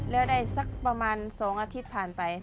แล้วได้สักประมาณ๒อาทิตย์ผ่านไป